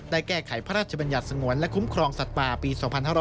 แก้ไขพระราชบัญญัติสงวนและคุ้มครองสัตว์ป่าปี๒๕๕๙